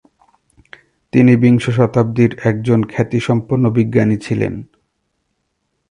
তিনি বিংশ শতাব্দীর একজন খ্যাতিসম্পন্ন বিজ্ঞানী ছিলেন।